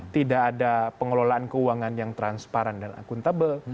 tidak ada pengelolaan keuangan yang transparan dan akuntabel